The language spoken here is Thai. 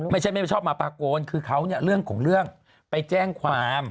ไม่ใช่ไม่ชอบมาปาโกนคือเขาเนี่ยเรื่องของเรื่องไปแจ้งความ